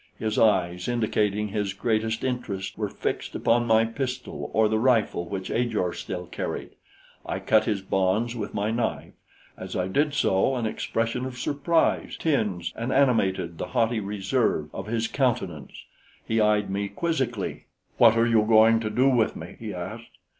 His eyes, indicating his greatest interest, were fixed upon my pistol or the rifle which Ajor still carried. I cut his bonds with my knife. As I did so, an expression of surprise tinged and animated the haughty reserve of his countenance. He eyed me quizzically. "What are you going to do with me?" he asked.